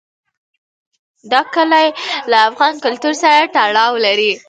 دا کلي له افغان کلتور سره تړاو لري.